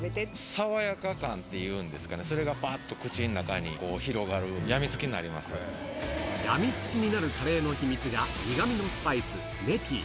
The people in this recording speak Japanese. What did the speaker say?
爽やか感っていうんですかね、それがぱーっと口の中に広がる、病みつきになるカレーの秘密が、苦みのスパイス、メティ。